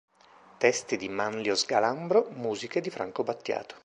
Testi di Manlio Sgalambro, musiche di Franco Battiato.